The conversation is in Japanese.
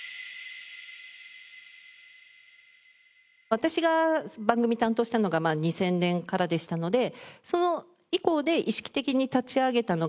私が番組担当したのが２０００年からでしたのでその以降で意識的に立ち上げたのがですね